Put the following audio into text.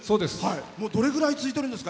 どれぐらい続いているんですか？